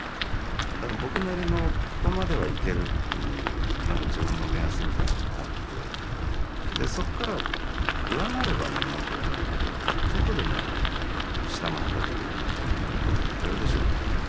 僕なりの「ここまではいける」っていう自分の目安みたいなのがあってそこから上回ればもう文句言わないけどちょっとでも下回った時は「まだやれるでしょ？」と。